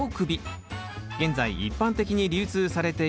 現在一般的に流通されているダイコンです。